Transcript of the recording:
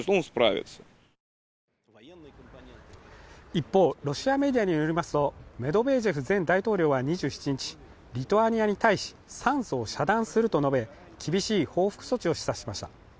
一方、ロシアメディアによりますと、メドベージェフ前大統領は２７日、リトアニアに対し、酸素を遮断すると述べ、厳しい報復措置を示唆しました。